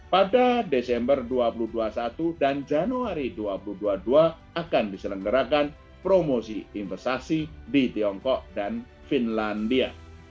pada desember dua ribu dua puluh satu dan januari dua ribu dua puluh dua akan diselenggarakan promosi investasi di tiongkok dan finlandia